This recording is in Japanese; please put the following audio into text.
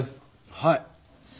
はい。